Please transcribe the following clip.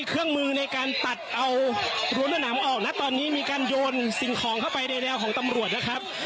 เครื่องมือในการตัดเอารั้วหนามออกนะตอนนี้มีการโยนสิ่งของเข้าไปในแนวของตำรวจนะครับ